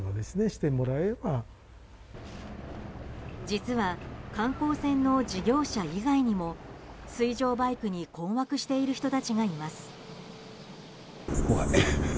実は、観光船の事業者以外にも水上バイクに困惑している人たちがいます。